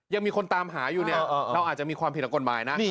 ยังมีคนตามหาอยู่เนี่ยเราอาจจะมีความผิดทางกฎหมายนะ